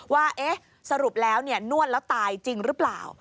ว่าสรุปแล้วนวดแล้วตายจริงหรือเปล่า